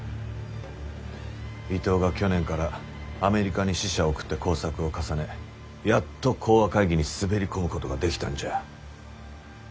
伊藤が去年からアメリカに使者を送って工作を重ねやっと講和会議に滑り込むことができたんじゃ。